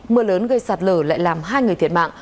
mưa lớn gây sạt lở lại làm hai người thiệt mạng